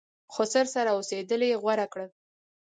خسر سره اوسېدل یې غوره کړه.